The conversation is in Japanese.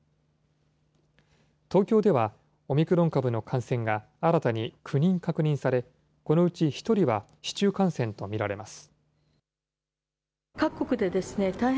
東京では、オミクロン株の感染が新たに９人確認され、このうち１人は市中感染と見られます。